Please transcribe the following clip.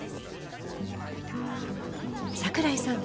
桜井さん